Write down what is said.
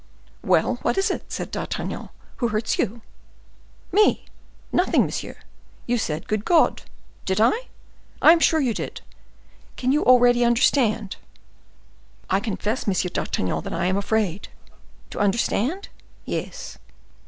"Well, what is it?" said D'Artagnan; "who hurts you?" "Me! nothing, monsieur." "You said, 'Good God!'" "Did I?" "I am sure you did. Can you already understand?" "I confess, M. d'Artagnan, that I am afraid—" "To understand?" "Yes."